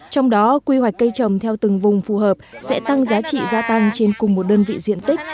trong đó quy hoạch cây trồng theo từng vùng phù hợp sẽ tăng giá trị gia tăng trên cùng một đơn vị diện tích